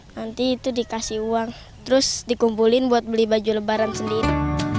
nanti itu dikasih uang terus dikumpulin buat beli baju lebaran sendiri